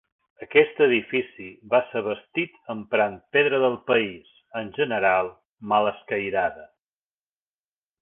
Aquest edifici va ser bastit emprant pedra del país, en general, mal escairada.